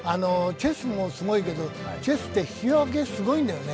チェスもすごいけど、チェスって引き分けすごいんだよね。